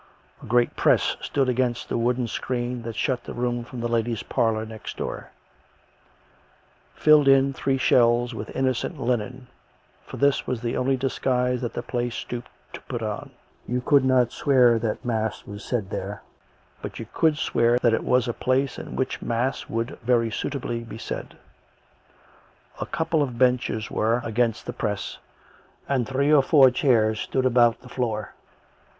A great press stood against the wooden screen that shut the room from the ladies' parlour next door; filled in three shelves with innocent linen, for this was the only disguise that the place stooped to put on. You could not swear that mass was said there, but you could swear that it was a place in which mass would very suitably be said. A couple of benches were against the press, and three or four chairs stood about the floor.